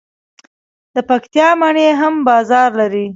د پکتیا مڼې هم بازار لري.